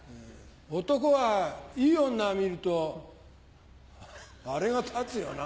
男はいい女を見るとアレが立つよな。